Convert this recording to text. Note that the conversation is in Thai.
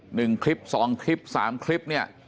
หนึ่งคลิปสองคลิปสามคลิปเนี่ย